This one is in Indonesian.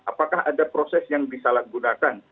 apakah ada proses yang disalahgunakan